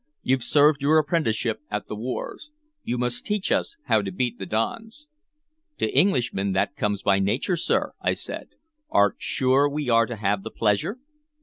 You've served your apprenticeship at the wars. You must teach us how to beat the dons." "To Englishmen, that comes by nature, sir," I said. "Art sure we are to have the pleasure?"